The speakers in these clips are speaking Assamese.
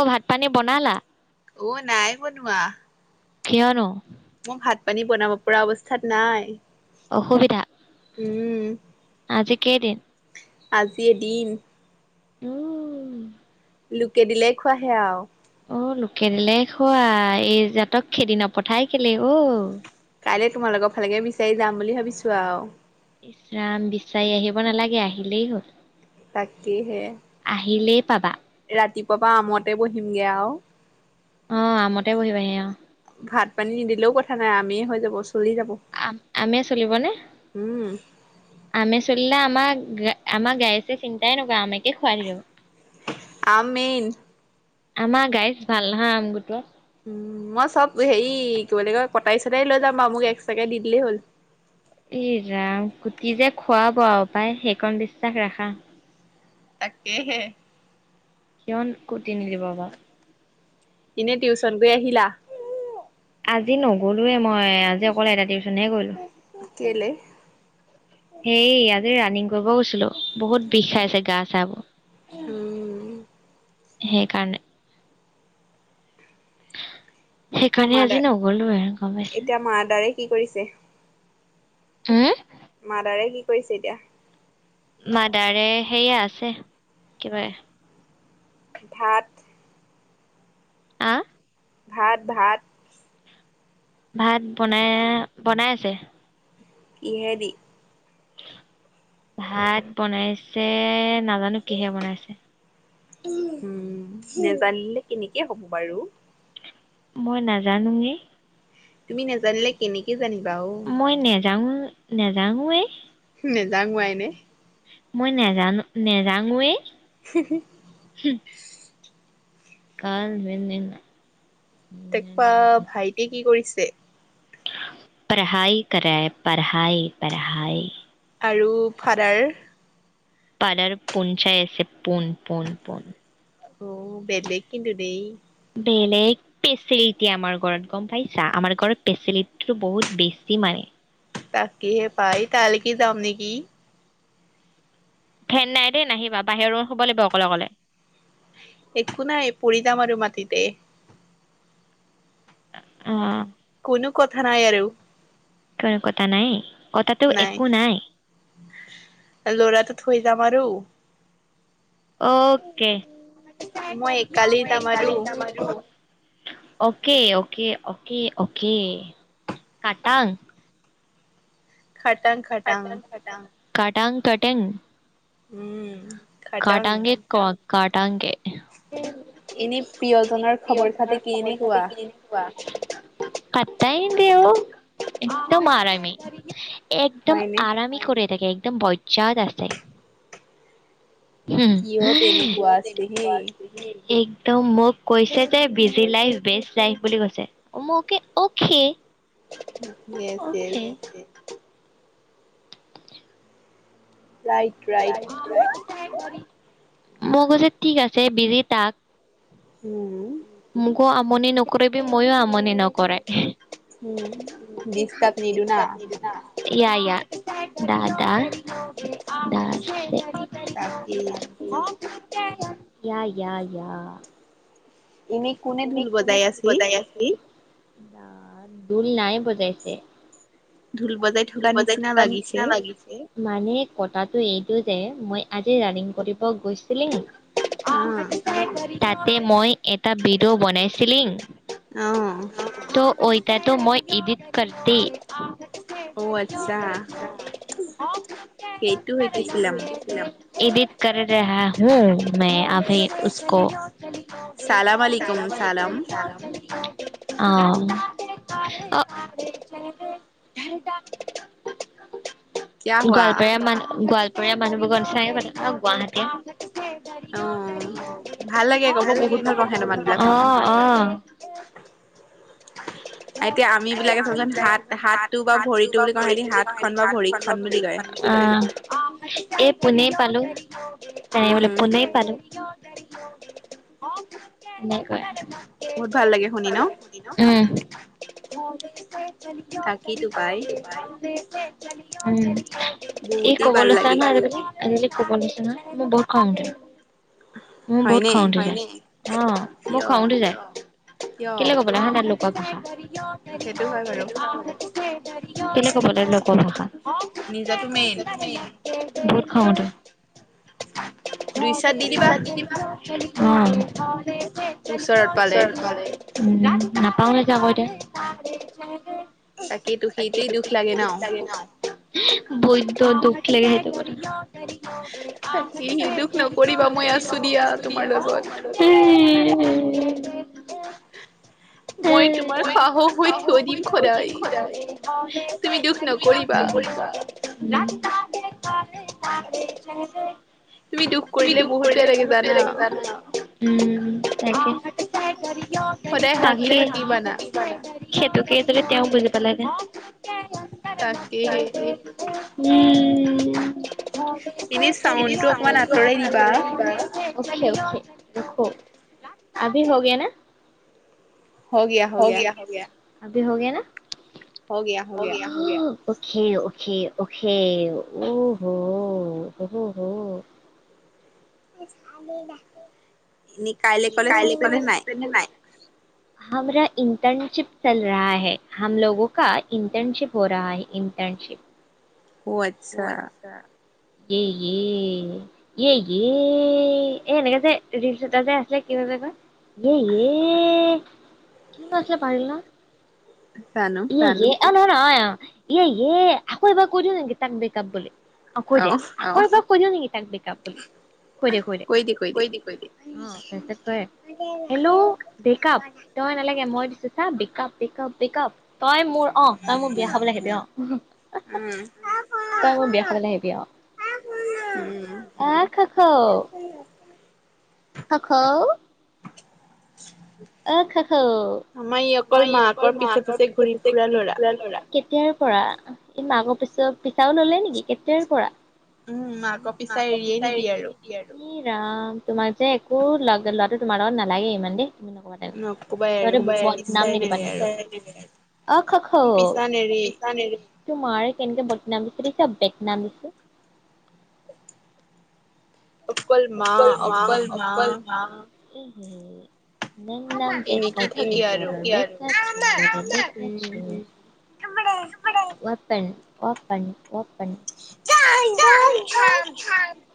অ' ভাত পানী বনালা অ' নাই বনোৱা কিয়নো মোক ভাত পানী বনাব পৰা অৱস্থাত নাই অসুবিধা আজি কেইদিন আজি এদিন উম লোকে দিলেই খোৱাহে আৰু অ' লোকে দিলে খোৱা এই জাটক খেদি নপঠাই কেলে অঁ' কাইলৈ তোমাৰ লগৰ ফালেকে বিচাৰি যাম বুলি ভাবিছো আৰু ইচৰাম বিচাৰি আহিব নালাগে আহিলেই হ'ল তাকেহে পাবা ৰাতিপুৱা পৰা আমতে বহিমগে আৰু অ' আমতে বহিবাহি অঁ তেনে আমিই হৈ যাব চোন আমে চলিব নে আমে চলিব দিলে আমাক আমাৰ গাইছে চিন্তাই নকৰে আমকে খুৱাই থাকিব আম মেইন আমাৰ গাইচ ভাল নহয় আম গোটোয়া উম মই চব হেৰি কি বুলি কয় কটাৰী চটাৰী লৈ যাম মোক এক্সটোকে দি দিলেই হ'ল এই ৰাম কুটি যে খোৱাব আৰু পায় সেইকণ যে বিশ্বাস ৰাখা তাকেহে কিয় কুটি নিলি বাঅ এনে টিউচন কৰি আহিলা আজি ন নগলোয়ে মই আজি অকলে এটা টিউচনহে গলো হেই যে ৰানিং কৰিব গৈছিলো বহুত বিষ খাইছে গা চা বোৰ সেইকাৰণে সেইকাৰণে আজি নগলো গম পাইছে কি কৰিছে হউ মাদাৰে কি কৰিছে এতিয়া মাদাৰে সেয়া আছে কিব ভাত আ, ভাত- ভাত ভাত বনাই -বনাই আছে। কিহেদি ভাত বনাইছে নাজানো কিহে বনাইছে। উম, নেজানিলে কেনেকে হব বাৰু। মই নাজানোয়ে। তুমি নেজানিলে কেনেকে মই নেযাও নেযানোৱে। নেযাংৱাইনে। মই নেজানো নেজানুয়ে। হম- হম কাল [unintelligible] তেকুৱা ভাইটি কি কৰিছে? [unintelligible] পঢ়াই কৰ ৰাহা হে পঢ়াই - পঢ়াই। আৰু ফাদাৰ? ফাদাৰ পোন চাই আছে পোন-পোন- পোন। অহ, বেলেক কিন্তু দেই। বেলেগ পেচিলিটি আমাৰ গৰত গম পাইছা আমাৰ গৰত পেচিলিটিটো বহুত বেছি মানে। তাকেহে পাই তালিকি কি যাম নেকি। ফেন নাই দেই নাহিবা বাহিৰৰ ৰোমত শুব লাগিব অকলে- অকলে। একো নাই পৰি যাম আৰু মাটিতে। অহ, কোনো কথা নাই আৰু। কোনো কথা নাই। কথাটো একো নাই। থৈ যাম আৰু। Okay. [unintelligible] Okay- okay- okay- okay খাটাং। খাটাং - খাটাং কাটাং কাটং উম, কাতাং এ [unintelligible] তাংকে। এনে প্ৰিয়জনৰ খবৰ খাতি কেনেকোৱা? [unintelligible] পাত্তাই নিদিয়ে অহ একদম আৰামি। একদম আৰামেই কৰে থাকে। একদম বইজাদ আছে। [unintelligible] ত মোক কৈছে যে বিজি লাইফ বেষ্ট লাইফ বুলি কৈছে মই okay -okay yes - yes right - right মই কৈছো ঠিক আছে বিজি থাক। মোক ক আমনি নকৰেবি ময়ো আমনি নকৰেই উম ডিছ্তাপ নিদো না দাদা দ হয় তাকেই ইয়া ইয়া ইয়া এনেই কোনে ঢোল বজাই আছি? ন দোল নাই বজাইছে ঢোল বজাই থকাৰ নিচিনা লাগিছে‌‌। মানে কথাতটো এইটো যে মই আজি ৰাণিং কৰিব গৈছিলে, অ তাতে মই এটা বি ত বনাইছিলিং ত' ঐত তো মই ইদিত কৰতে অঁ আচ্ছা সেইটো সতেছিলাম ইডিট কৰ ৰাহা হু। মে আভি উছকৌ ছালাম ৱালিকুম আহ গোৱালপাৰা মান গোৱাল মানুহ চাই গুৱাহাটী [unintelligible] অ ভাল লাগে ক'ব বহুত ভাল পাওঁ হেতৰ মাত বিলাক হ এতিয়া আমি বিলাক হাত হাতটো বা ভৰিতটো বুলি কও সিহতে হাত খন বা ভৰিত খন‌ বুলিহে কয়। এ পোনে পালো তাইবোলে পুনে পালোঁ। আহ নে উম অ লকালে উম ই কব লৈছা ন আজিকালি ক ন ম বত কওঁ মোৰ বহুত খং উঠে অ মোক খং উঠি যাই কেলে কব না হা তোক [inaudible] [inaudible] কেনে ক'বলে কমত নিজাতো মেইন বহুত খাওঁতে অ দুই পাৰ তিনিবা [inaudible] [inaudible] [inaudible] উ নাপাও ন য আকৌ এতিয়া তাকেই তো সেইটোৱেই দুখ লাগে ন বৈদ্ধ দক্ষী লাগে যটো কৰি [inaudible] উম হ মই খু থৈ দিম দুই [unintelligible] তুমি দুখ কৰি দিলে বহুতে কি বান ন উম তাকে তাকে সেইটোকেই ত তেওঁ বুজি পালাই নে? তাকেহে উম [unintelligible] সচাকে - দেখ আভি হগেয়া না? হগিয় হগিয় আবি হগেয়া না। হগিয়া অখে অখে অখেঔখে ঔখে ঔ হ হ হ চাল না [unintelligible] নিকাইলে কলে চচপেন নে নাই হাৰ ইণ্টনশিপ চল ৰা হে হমল ক ইণ্টৰ্নশিপ হৰাহামসে ইণ্টনশিপ অ আচ্ছা এ এই এই এনেকা যে ৰিলচ এটা যে আছিলে কিব জাবা? এই এই এই কি পাখে পাৰিলা? লা আ নহয় আ এ এই আকৌ এবাৰ কৈ দিওঁ নেকি? তাক বাব বুলি। আকৌ দে আকৌ এবাৰ কৈ দিও নিকিথাক কয় দে দে কয় দে দে হেল্ল' বেকাপ তই নালাগে মই দিছো চাক বকাপ বেকাপ বেকাপ তই মোৰ অ তই মোৰ বিয়া খাব লাগে দে অ। তই মোৰ বিয়া হে আহেবি আ আহ খ খ খ খৌ। আহ খ খ আমাৰ ই অকল মাকৰ পিছে পিছে ঘুলি ফুৰা লৰা। কেতিয়াৰ পৰা ই মাকৰ পিছত পিছাও লনই নেকি কেতিয়াৰ পৰা? উম মাকৰ পিচাই এৰিলে নেকি আৰু। ৰাম তোমাক যে একো লগ লৰাটো তোমাৰ লগত নালাগে ইমান দে। [unintelligible] বদনাম নিদিবা তোমাৰ, অঁ খ' খ ' তোমাৰ কেনেকে বটনামি [unintelligible] দেখিছা বেক নামিছো। [unintelligible] অঁকল মা অকল মা। [unintelligible] [unintelligible] [unintelligible] [unintelligible]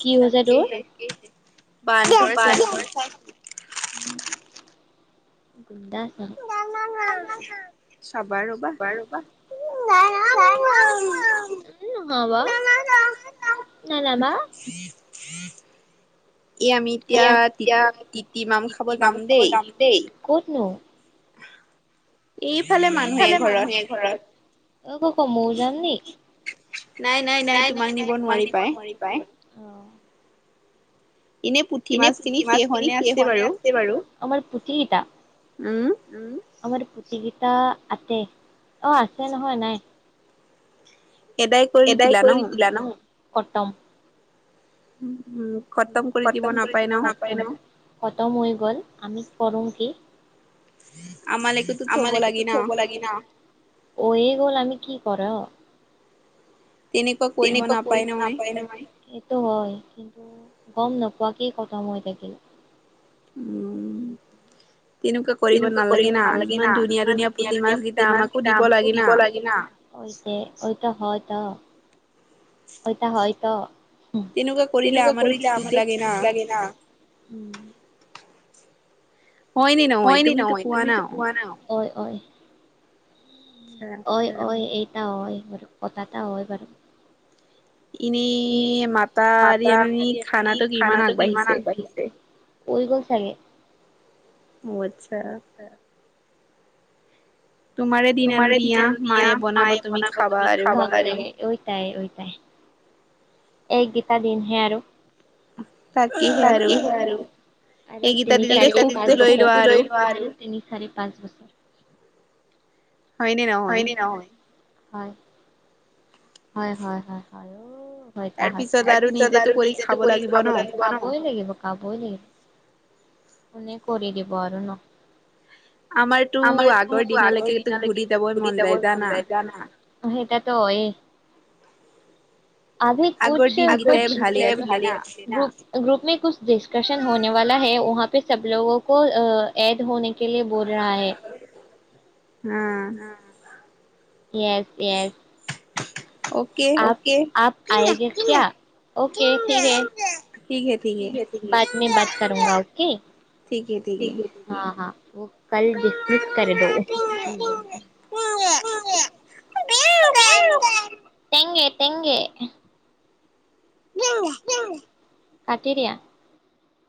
কি হৈছে তোৰ। [unintelligible] [unintelligible] [unintelligible] এ আমি এতিয়া তি তিতিমাম খাব যাম দেই। ক'তনো। এইফালে মানুহে এঘৰত। অঁ ক ক মইও যাম নি নাই [unintelligible] নোৱাৰি পাই। অঁ। এনে পুঠি মাছ খিনি শেষ হ'লনে আছে বাৰু। আমাৰ পুঠি কিটা। উম। আমাৰ পুঠিকেইটা আতে অঁ আছে নহয় নাই। এদাই কৰি দিলা ন। খটম। খতম কৰি দিব নাপায় ন, খতম হৈ গ'ল আমি কৰম কি [unintelligible] আমালেকোটো থব লাগি ন হ'ল আমি কি কৰ। তেনেকোৱা কৰিব নাপায় নহয়, সেইটো হয়। গম নোপোৱাকেই খতম হৈ থাকিল। [inaudible] তেনেকুৱা কৰিব নালাগে না ইমান ধুনীয়া ধুনীয়া পুঠি মাছকেইটা আমাকো দিব লাগে না, হয়দে [unintelligible] ত হয়তো তেনেকুৱা কৰিলে আমাৰো দিক লাগে ন হয়নি নহয় তুমিতো কোৱা না অ অ অ এইটো। টা হয় বাৰু কত এটা হয় বাৰু এনেই মাতা আ আ খানাটো ইমান আগবাঢ়িছে ঐ গল চাগে। ম আত্ছা তোমাৰ দিনালু দ মায়ে বনাব তুমি খাব লাগে টাই টাই। এইকেইটা দিনহে আৰু। তাকেহে আৰু এইকেইটাদিনত সুখটো লৈ লোৱা আৰু তিনি চাৰিচছোৱা আৰু তিনি চাৰি পাঁচ বছৰ হয় নে নহয়? হয়। হয় হয় হয় হয় অ। তাৰ পিছত আৰু নিজেতো কৰি খাব লাগিব খাবই লাগিব, খাবই লাগিব। কোনে কৰি দিব আৰু ন? আমাৰতো আগৰ দিনলৈকে ঘূৰি যাবই মন যায় জানা। সেইটাটো হয়েই। আৰে কুছ কুছ গ্ৰ গ্ৰুপ মে কুছ ডিছকশন হনে ৱালা হে চব লোগো কো এড হনে কে লিএ বল ৰহা হে য়েছ য়েছ। আ আপ আয়েগে কিয়া? অ'কে ঠিক হে। ঠিক বাদ মে বাত কৰুংগা অ'কে। ঠিকহে ঠিকহে হা হা। কাল ডিছমিছ কৰ দো। তেংগে তেংগে তেংগে কাটি দিয়া।